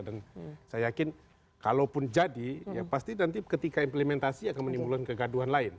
dan saya yakin kalaupun jadi ya pasti nanti ketika implementasi akan menimbulkan kegaduhan lain